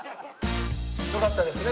よかったですね